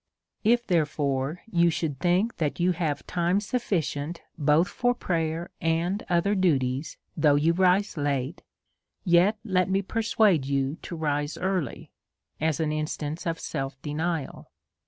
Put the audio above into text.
If, therefore, you should think that you have time sufficient both for prayer and other duties, though you rise late, yet let me persuade you to rise early, as an instance of self denial.